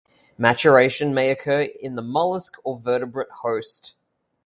Maturation may occur in the mollusc or vertebrate host.